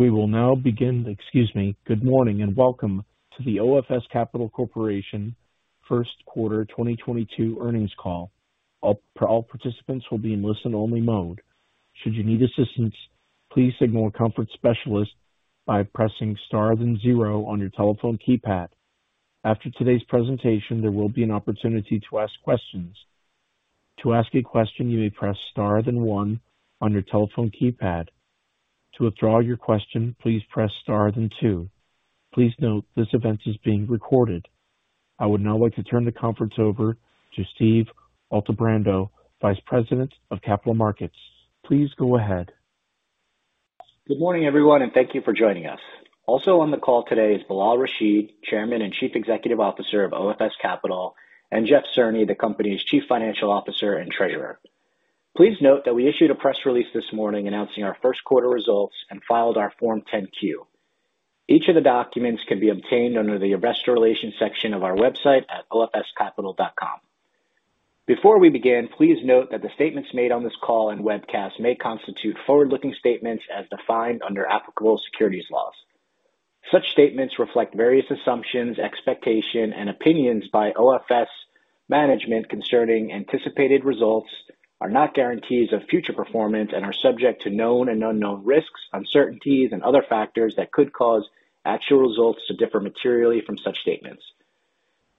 We will now begin. Excuse me. Good morning, and welcome to the OFS Capital Corporation First Quarter 2022 Earnings Call. All participants will be in listen-only mode. Should you need assistance, please signal a conference specialist by pressing star then zero on your telephone keypad. After today's presentation, there will be an opportunity to ask questions. To ask a question, you may press Star then one on your telephone keypad. To withdraw your question, please press Star then two. Please note this event is being recorded. I would now like to turn the conference over to Steve Altebrando, Vice President of Capital Markets. Please go ahead. Good morning, everyone, and thank you for joining us. Also on the call today is Bilal Rashid, Chairman and Chief Executive Officer of OFS Capital, and Jeff Cerny, the company's Chief Financial Officer and Treasurer. Please note that we issued a press release this morning announcing our Q1 results and filed our Form 10-Q. Each of the documents can be obtained under the investor relations section of our website at ofscapital.com. Before we begin, please note that the statements made on this call and webcast may constitute forward-looking statements as defined under applicable securities laws. Such statements reflect various assumptions, expectations, and opinions by OFS management concerning anticipated results are not guarantees of future performance and are subject to known and unknown risks, uncertainties, and other factors that could cause actual results to differ materially from such statements.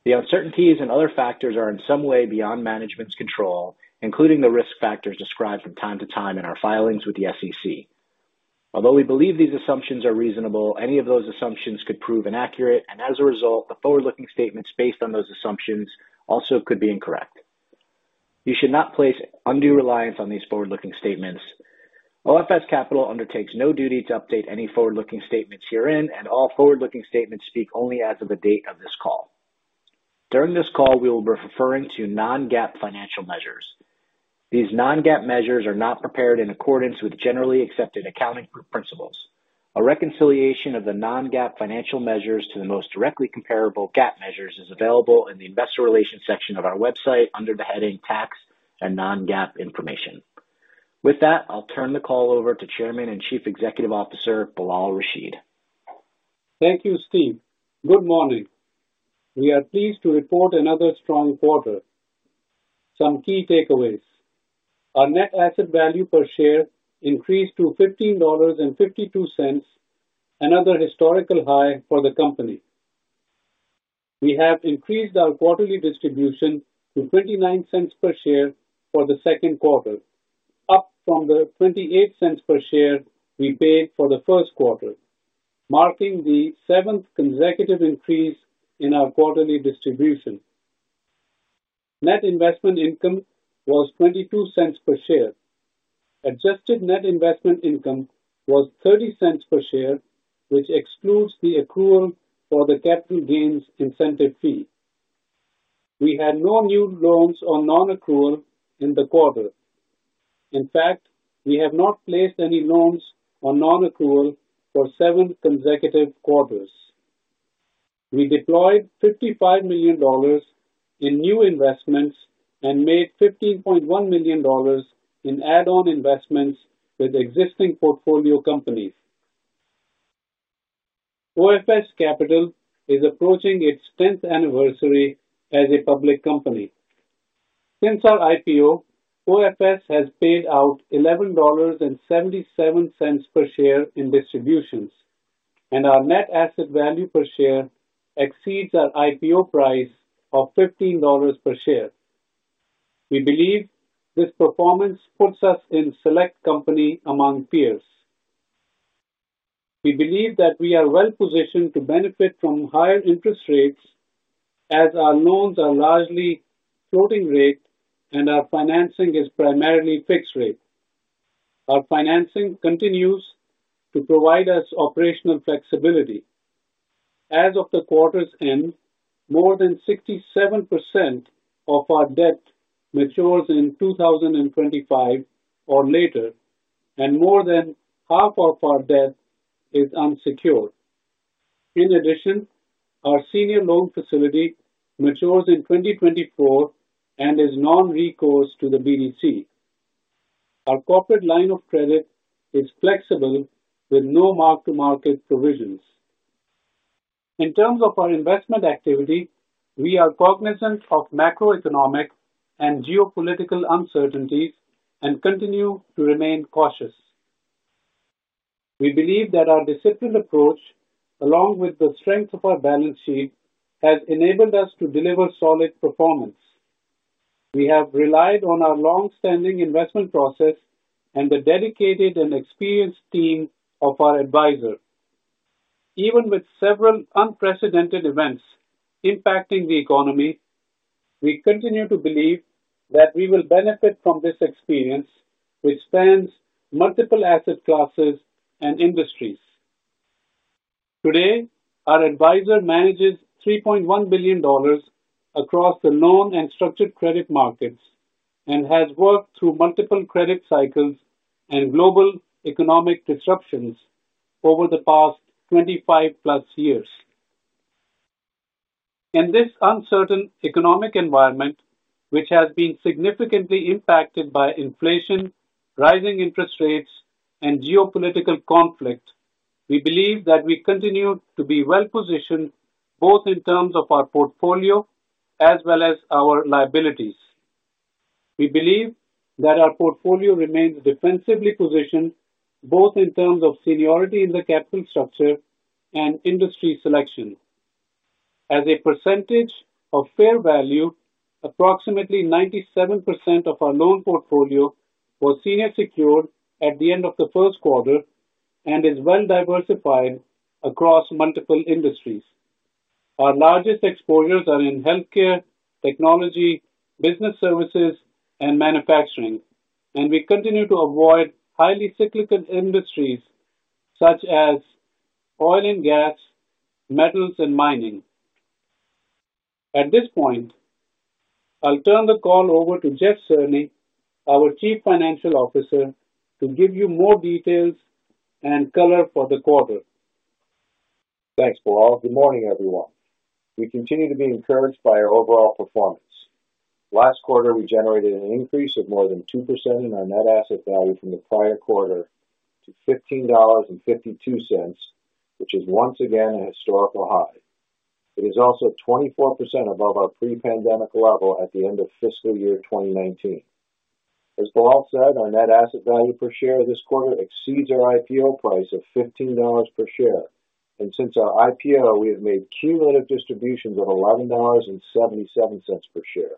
The uncertainties and other factors are in some way beyond management's control, including the risk factors described from time to time in our filings with the SEC. Although we believe these assumptions are reasonable, any of those assumptions could prove inaccurate, and as a result, the forward-looking statements based on those assumptions also could be incorrect. You should not place undue reliance on these forward-looking statements. OFS Capital undertakes no duty to update any forward-looking statements herein, and all forward-looking statements speak only as of the date of this call. During this call, we will be referring to non-GAAP financial measures. These non-GAAP measures are not prepared in accordance with generally accepted accounting principles. A reconciliation of the non-GAAP financial measures to the most directly comparable GAAP measures is available in the Investor Relations section of our website under the heading Tax and Non-GAAP Information. With that, I'll turn the call over to Chairman and Chief Executive Officer, Bilal Rashid. Thank you, Steve. Good morning. We are pleased to report another strong quarter. Some key takeaways. Our net asset value per share increased to $15.52, another historical high for the company. We have increased our quarterly distribution to $0.29 per share for the second quarter, up from the $0.28 per share we paid for the Q1, marking the seventh consecutive increase in our quarterly distribution. Net investment income was $0.22 per share. Adjusted net investment income was $0.30 per share, which excludes the accrual for the capital gains incentive fee. We had no new loans or non-accrual in the quarter. In fact, we have not placed any loans on non-accrual for 7 consecutive quarters. We deployed $55 million in new investments and made $15.1 million in add-on investments with existing portfolio companies. OFS Capital is approaching its tenth anniversary as a public company. Since our IPO, OFS has paid out $11.77 per share in distributions, and our net asset value per share exceeds our IPO price of $15 per share. We believe this performance puts us in select company among peers. We believe that we are well-positioned to benefit from higher interest rates as our loans are largely floating rate and our financing is primarily fixed rate. Our financing continues to provide us operational flexibility. As of the quarter's end, more than 67% of our debt matures in 2025 or later, and more than half of our debt is unsecured. In addition, our senior loan facility matures in 2024 and is non-recourse to the BDC. Our corporate line of credit is flexible with no mark-to-market provisions. In terms of our investment activity, we are cognizant of macroeconomic and geopolitical uncertainties and continue to remain cautious. We believe that our disciplined approach, along with the strength of our balance sheet, has enabled us to deliver solid performance. We have relied on our long-standing investment process and the dedicated and experienced team of our advisor. Even with several unprecedented events impacting the economy, we continue to believe that we will benefit from this experience, which spans multiple asset classes and industries. Today, our advisor manages $3.1 billion across the loan and structured credit markets and has worked through multiple credit cycles and global economic disruptions over the past 25+ years. In this uncertain economic environment, which has been significantly impacted by inflation, rising interest rates, and geopolitical conflict, we believe that we continue to be well-positioned both in terms of our portfolio as well as our liabilities. We believe that our portfolio remains defensively positioned both in terms of seniority in the capital structure and industry selection. As a percentage of fair value, approximately 97% of our loan portfolio was senior secured at the end of the first quarter and is well diversified across multiple industries. Our largest exposures are in healthcare, technology, business services, and manufacturing. We continue to avoid highly cyclical industries such as oil and gas, metals, and mining. At this point, I'll turn the call over to Jeff Cerny, our Chief Financial Officer, to give you more details and color for the quarter. Thanks, Bilal. Good morning, everyone. We continue to be encouraged by our overall performance. Last quarter, we generated an increase of more than 2% in our net asset value from the prior quarter to $15.52, which is once again a historical high. It is also 24% above our pre-pandemic level at the end of fiscal year 2019. As Bilal said, our net asset value per share this quarter exceeds our IPO price of $15 per share. Since our IPO, we have made cumulative distributions of $11.77 per share.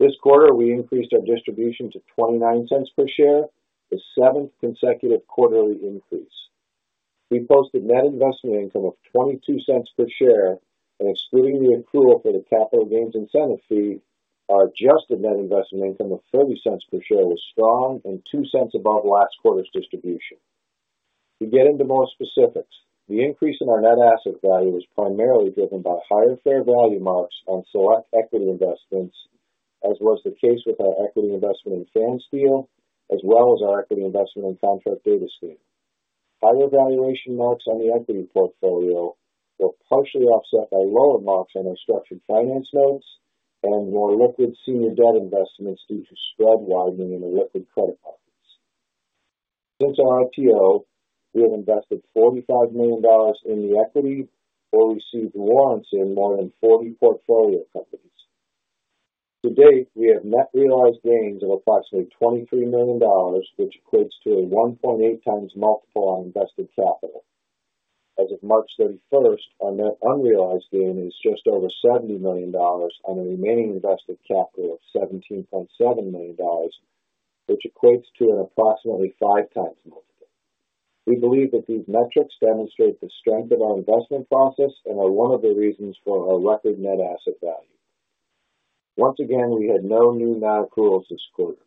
This quarter, we increased our distribution to $0.29 per share, the seventh consecutive quarterly increase. We posted net investment income of $0.22 per share, and excluding the accrual for the capital gains incentive fee, our adjusted net investment income of $0.30 per share was strong and $0.02 above last quarter's distribution. To get into more specifics, the increase in our net asset value was primarily driven by higher fair value marks on select equity investments, as was the case with our equity investment in Fansteel, as well as our equity investment in Contract Datascan. Higher valuation marks on the equity portfolio were partially offset by lower marks on our structured finance notes and more liquid senior debt investments due to spread widening in the liquid credit markets. Since our IPO, we have invested $45 million in the equity or received warrants in more than 40 portfolio companies. To date, we have net realized gains of approximately $23 million, which equates to a 1.8x multiple on invested capital. As of March 31st, our net unrealized gain is just over $70 million on a remaining invested capital of $17.7 million, which equates to an approximately 5x multiple. We believe that these metrics demonstrate the strength of our investment process and are one of the reasons for our record net asset value. Once again, we had no new non-accruals this quarter.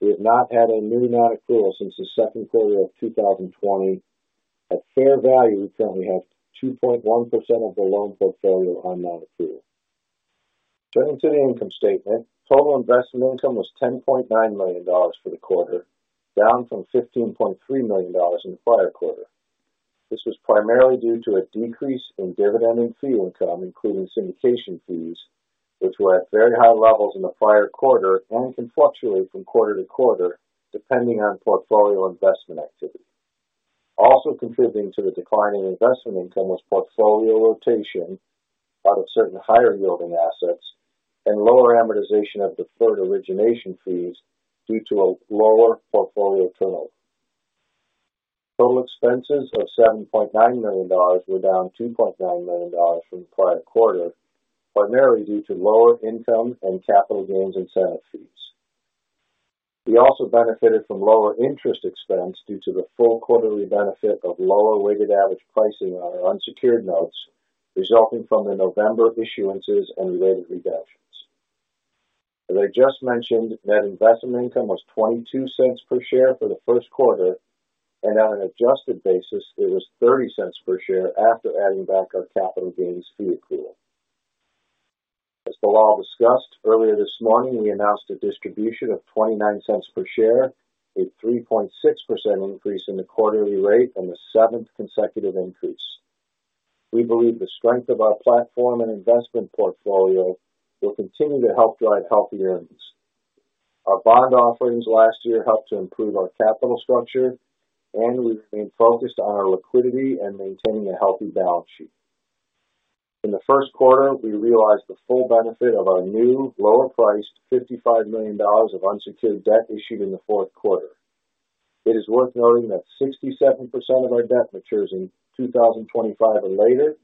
We have not had a new non-accrual since the second quarter of 2020. At fair value, we currently have 2.1% of the loan portfolio on non-accrual. Turning to the income statement. Total investment income was $10.9 million for the quarter, down from $15.3 million in the prior quarter. This was primarily due to a decrease in dividend and fee income, including syndication fees, which were at very high levels in the prior quarter and can fluctuate from quarter to quarter depending on portfolio investment activity. Also contributing to the decline in investment income was portfolio rotation out of certain higher yielding assets and lower amortization of deferred origination fees due to a lower portfolio turnover. Total expenses of $7.9 million were down $2.9 million from the prior quarter, primarily due to lower income and capital gains incentive fees. We also benefited from lower interest expense due to the full quarterly benefit of lower weighted average pricing on our unsecured notes, resulting from the November issuances and related redemptions. As I just mentioned, net investment income was $0.22 per share for the first quarter, and on an adjusted basis, it was $0.30 per share after adding back our capital gains fee accrual. As Bilal discussed earlier this morning, we announced a distribution of $0.29 per share, a 3.6% increase in the quarterly rate and the seventh consecutive increase. We believe the strength of our platform and investment portfolio will continue to help drive healthy earnings. Our bond offerings last year helped to improve our capital structure, and we've been focused on our liquidity and maintaining a healthy balance sheet. In the first quarter, we realized the full benefit of our new lower priced $55 million of unsecured debt issued in the fourth quarter. It is worth noting that 67% of our debt matures in 2025 or later,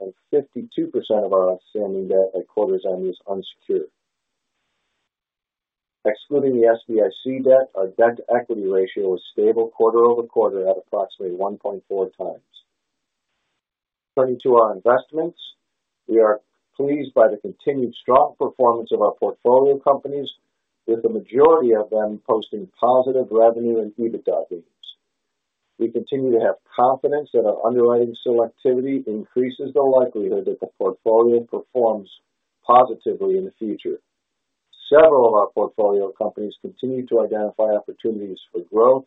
and 52% of our outstanding debt at quarter's end is unsecured. Excluding the SBIC debt, our debt-to-equity ratio is stable quarter-over-quarter at approximately 1.4x. Turning to our investments. We are pleased by the continued strong performance of our portfolio companies, with the majority of them posting positive revenue and EBITDA gains. We continue to have confidence that our underwriting selectivity increases the likelihood that the portfolio performs positively in the future. Several of our portfolio companies continue to identify opportunities for growth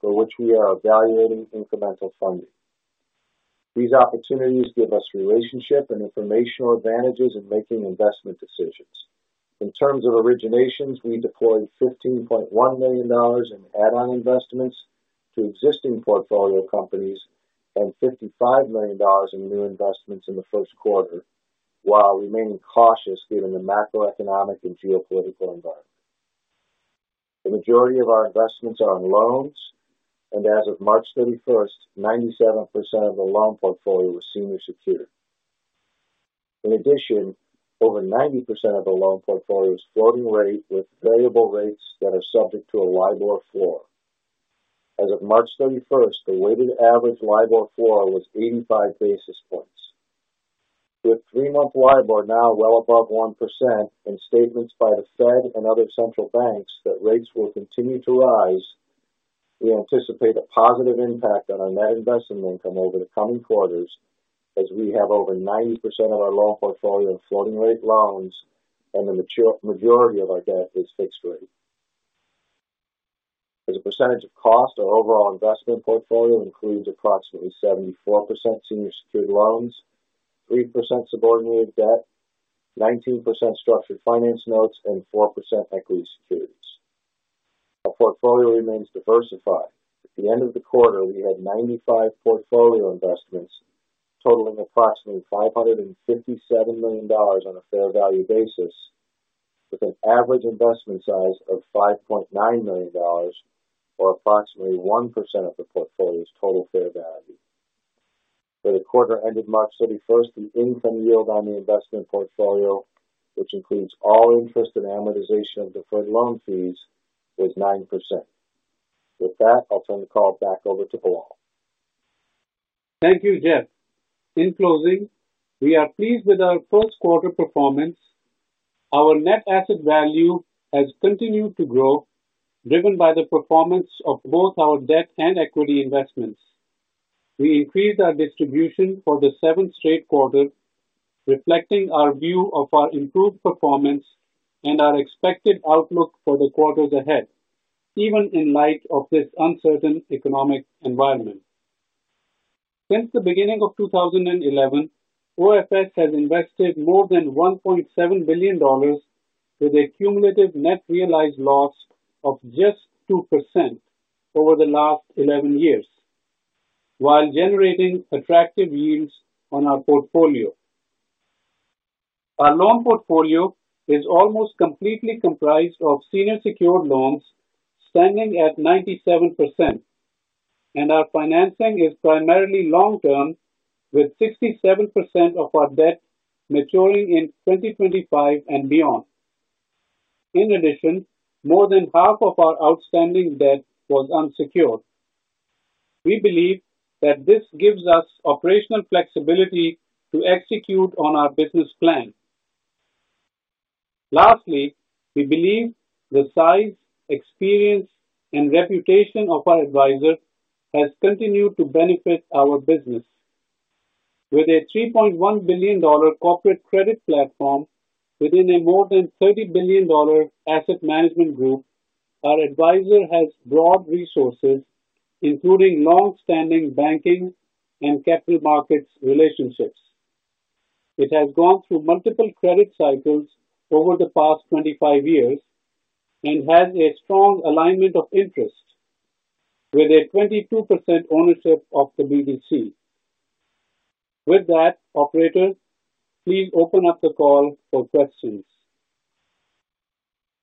for which we are evaluating incremental funding. These opportunities give us relationship and informational advantages in making investment decisions. In terms of originations, we deployed $15.1 million in add-on investments to existing portfolio companies and $55 million in new investments in the first quarter while remaining cautious given the macroeconomic and geopolitical environment. The majority of our investments are on loans, and as of March 31, 97% of the loan portfolio was senior secured. In addition, over 90% of the loan portfolio is floating rate with variable rates that are subject to a LIBOR floor. As of March 31, the weighted average LIBOR floor was 85 basis points. With three-month LIBOR now well above 1% and statements by the Fed and other central banks that rates will continue to rise, we anticipate a positive impact on our net investment income over the coming quarters as we have over 90% of our loan portfolio in floating rate loans and the majority of our debt is fixed rate. As a percentage of cost, our overall investment portfolio includes approximately 74% senior secured loans, 3% subordinated debt, 19% structured finance notes, and 4% equity securities. Our portfolio remains diversified. At the end of the quarter, we had 95 portfolio investments totaling approximately $557 million on a fair value basis, with an average investment size of $5.9 million, or approximately 1% of the portfolio's total fair value. For the quarter ended March 31, the income yield on the investment portfolio, which includes all interest and amortization of deferred loan fees, was 9%. With that, I'll turn the call back over to Bilal. Thank you, Jeff. In closing, we are pleased with our first quarter performance. Our net asset value has continued to grow, driven by the performance of both our debt and equity investments. We increased our distribution for the seventh straight quarter, reflecting our view of our improved performance and our expected outlook for the quarters ahead, even in light of this uncertain economic environment. Since the beginning of 2011, OFS has invested more than $1.7 billion with a cumulative net realized loss of just 2% over the last 11 years while generating attractive yields on our portfolio. Our loan portfolio is almost completely comprised of senior secured loans standing at 97%, and our financing is primarily long-term, with 67% of our debt maturing in 2025 and beyond. In addition, more than half of our outstanding debt was unsecured. We believe that this gives us operational flexibility to execute on our business plan. Lastly, we believe the size, experience, and reputation of our advisor has continued to benefit our business. With a $3.1 billion corporate credit platform within a more than $30 billion asset management group, our advisor has broad resources, including long-standing banking and capital markets relationships. It has gone through multiple credit cycles over the past 25 years and has a strong alignment of interest with a 22% ownership of the BDC. With that, operator, please open up the call for questions.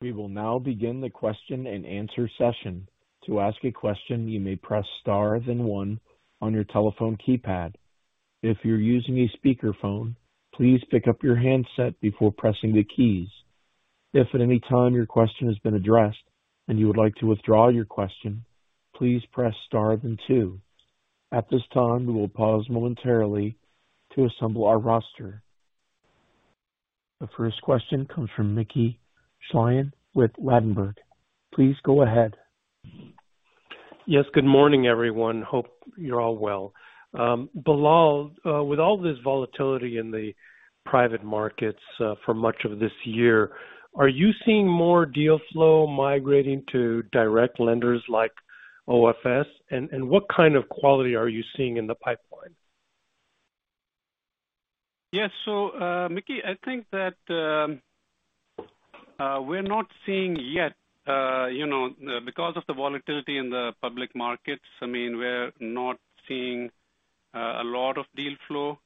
We will now begin the question and answer session. To ask a question, you may press star then one on your telephone keypad. If you're using a speakerphone, please pick up your handset before pressing the keys. If at any time your question has been addressed and you would like to withdraw your question, please press star then two. At this time, we will pause momentarily to assemble our roster. The first question comes from Mickey Schleien with Ladenburg Thalmann. Please go ahead. Yes, good morning, everyone. Hope you're all well. Bilal, with all this volatility in the private markets, for much of this year, are you seeing more deal flow migrating to direct lenders like OFS? What kind of quality are you seeing in the pipeline? Yes. Mickey, I think that we're not seeing yet you know because of the volatility in the public markets, I mean, we're not seeing a lot of deal flow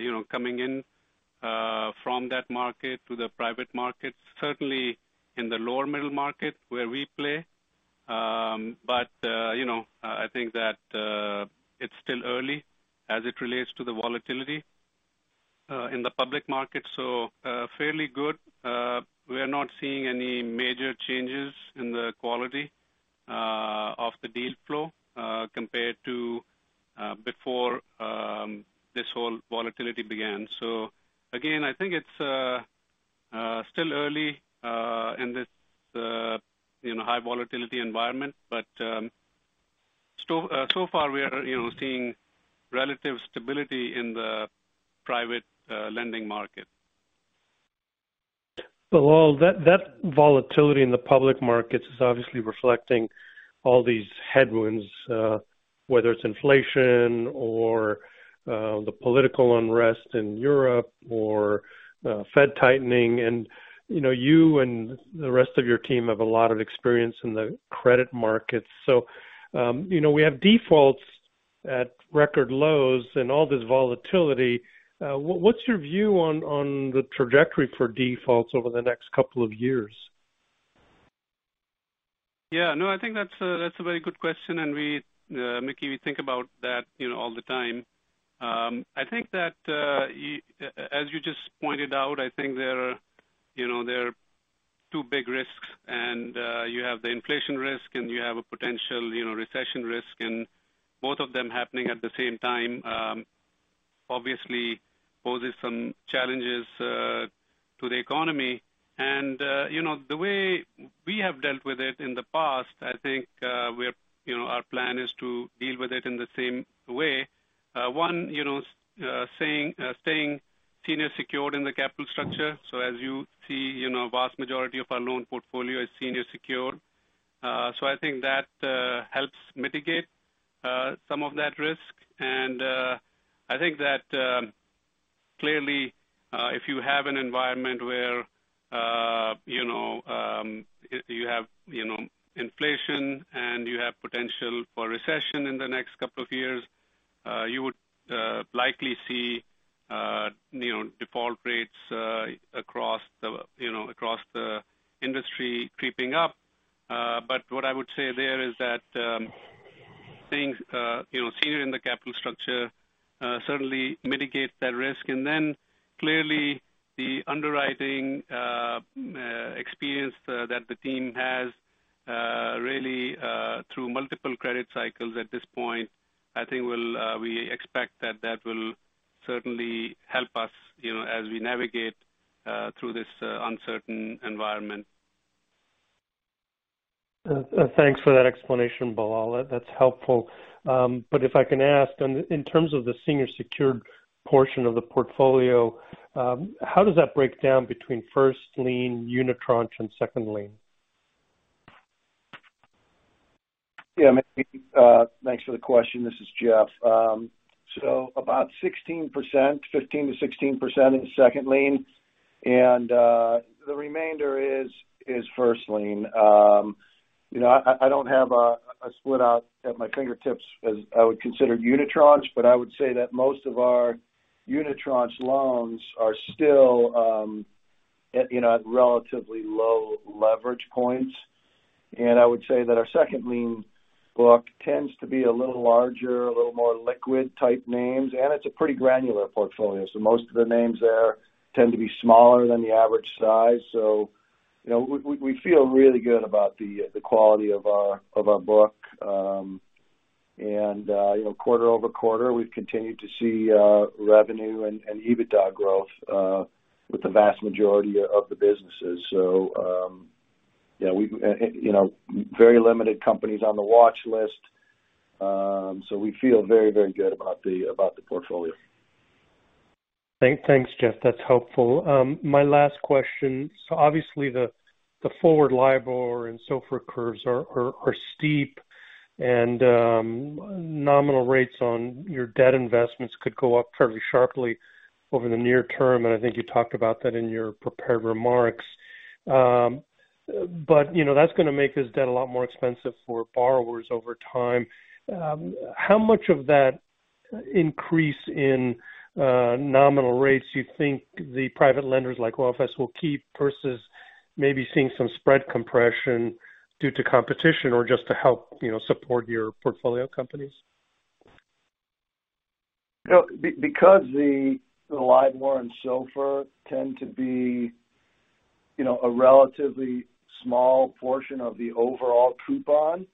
you know coming in from that market to the private markets, certainly in the lower middle market where we play. You know, I think that it's still early as it relates to the volatility in the public market. Fairly good. We're not seeing any major changes in the quality of the deal flow compared to before this whole volatility began. Again, I think it's still early in this you know high volatility environment. So far we are, you know, seeing relative stability in the private lending market. Well, that volatility in the public markets is obviously reflecting all these headwinds, whether it's inflation or the political unrest in Europe or Fed tightening. You know, you and the rest of your team have a lot of experience in the credit markets. You know, we have defaults at record lows and all this volatility. What's your view on the trajectory for defaults over the next couple of years? Yeah. No, I think that's a very good question. Mickey, we think about that, you know, all the time. I think that as you just pointed out, I think there are, you know, two big risks. You have the inflation risk, and you have a potential, you know, recession risk. Both of them happening at the same time obviously poses some challenges to the economy. The way we have dealt with it in the past, I think, our plan is to deal with it in the same way. One, you know, staying senior secured in the capital structure. As you see, you know, vast majority of our loan portfolio is senior secured. I think that helps mitigate some of that risk. I think that clearly if you have an environment where you know inflation and you have potential for recession in the next couple of years you would likely see you know default rates across the industry creeping up. What I would say there is that things you know senior in the capital structure certainly mitigate that risk. Then clearly the underwriting experience that the team has really through multiple credit cycles at this point I think we expect that that will certainly help us you know as we navigate through this uncertain environment. Thanks for that explanation, Bilal. That's helpful. If I can ask, and in terms of the senior secured portion of the portfolio, how does that break down between first-lien unitranche, and second lien? Yeah. Mickey, thanks for the question. This is Jeff. So about 16%. 15%-16% in second lien. The remainder is first lien. You know, I don't have a split out at my fingertips as I would consider unitranche, but I would say that most of our unitranche loans are still at relatively low leverage points. I would say that our second lien book tends to be a little larger, a little more liquid type names, and it's a pretty granular portfolio. Most of the names there tend to be smaller than the average size. You know, we feel really good about the quality of our book. You know, quarter-over-quarter, we've continued to see revenue and EBITDA growth with the vast majority of the businesses. Yeah, we've you know very limited companies on the watch list. We feel very, very good about the portfolio. Thanks, Jeff. That's helpful. My last question. Obviously the forward LIBOR and SOFR curves are steep. Nominal rates on your debt investments could go up fairly sharply over the near term, and I think you talked about that in your prepared remarks. You know, that's gonna make this debt a lot more expensive for borrowers over time. How much of that increase in nominal rates you think the private lenders like OFS will keep versus maybe seeing some spread compression due to competition or just to help, you know, support your portfolio companies? You know, because the LIBOR and SOFR tend to be, you know, a relatively small portion of the overall coupon,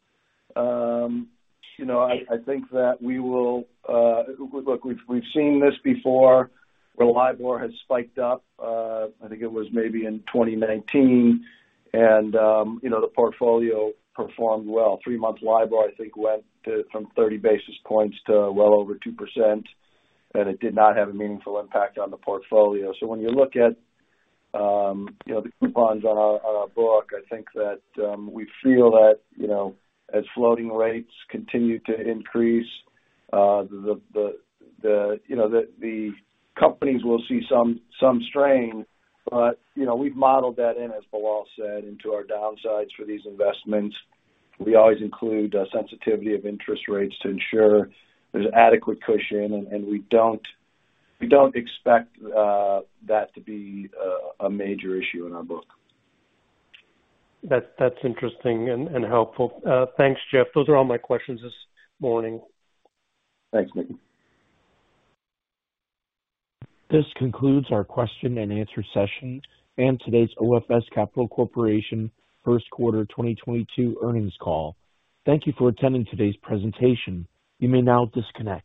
you know, I think that we will. Look, we've seen this before, where LIBOR has spiked up. I think it was maybe in 2019. The portfolio performed well. Three-month LIBOR, I think, went from 30 basis points to well over 2%, and it did not have a meaningful impact on the portfolio. When you look at, you know, the coupons on our book, I think that we feel that, you know, as floating rates continue to increase, the companies will see some strain. You know, we've modeled that in, as Bilal said, into our downsides for these investments. We always include sensitivity of interest rates to ensure there's adequate cushion. We don't expect that to be a major issue in our book. That's interesting and helpful. Thanks, Jeff. Those are all my questions this morning. Thanks, Mickey. This concludes our question and answer session and today's OFS Capital Corporation first quarter 2022 earnings call. Thank you for attending today's presentation. You may now disconnect.